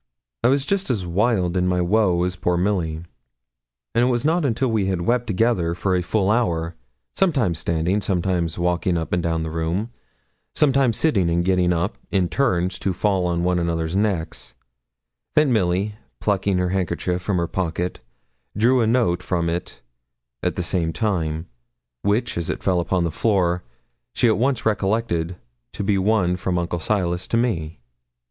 I was just as wild in my woe as poor Milly; and it was not until we had wept together for a full hour sometimes standing sometimes walking up and down the room sometimes sitting and getting up in turns to fall on one another's necks, that Milly, plucking her handkerchief from her pocket, drew a note from it at the same time, which, as it fell upon the floor, she at once recollected to be one from Uncle Silas to me.